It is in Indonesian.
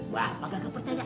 bapak gak percaya